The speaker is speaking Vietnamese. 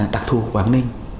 đặc thù quảng ninh